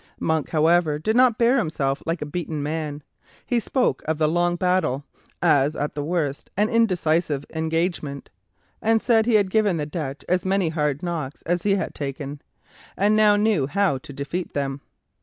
Monk, however, did not bear himself like a beaten man. He spoke of the long battle as, at the worst, an indecisive engagement, and said he had given the Dutch as many hard knocks as he had taken, and now knew how to defeat them.